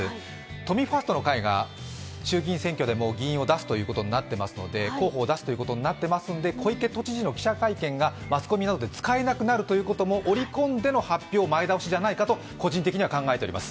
都民ファーストの会が衆議院選挙でも候補を出すことになっていますので小池都知事の記者会見がマスコミなどで使えなくなるということもオリコンでの発表前倒しじゃないかと個人的には考えています。